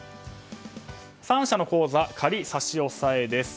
３社の口座、仮差し押さえです。